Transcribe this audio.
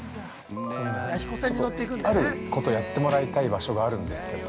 あることをやってもらいたい場所があるんですけど。